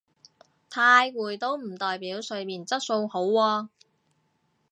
太攰都唔代表睡眠質素好喎